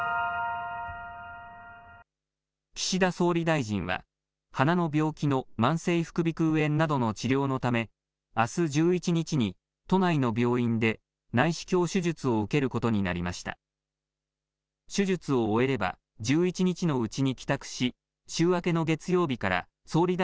岸田総理大臣は鼻の病気の慢性副鼻くう炎などの治療のためあす１１日に都内の病院で内視鏡手術を受けることになりました。